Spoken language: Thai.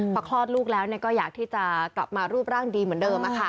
พอคลอดลูกแล้วก็อยากที่จะกลับมารูปร่างดีเหมือนเดิม